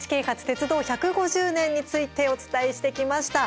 鉄道１５０年」についてお伝えしてきました。